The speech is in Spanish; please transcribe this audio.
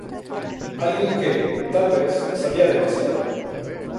Alguien que, tal vez, sabía demasiado.